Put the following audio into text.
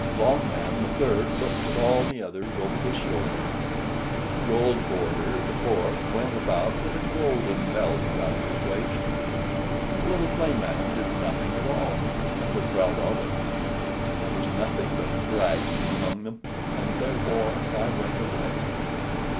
Longman, the third, looked at all the others over his shoulder. Goldborder, the fourth, went about with a golden belt round his waist; and little Playman did nothing at all, and was proud of it. There was nothing but bragging among them, and therefore I went away."